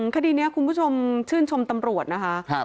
คดีนี้คุณผู้ชมชื่นชมตำรวจนะคะ